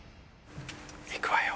いくわよ。